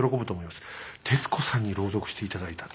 徹子さんに朗読していただいた。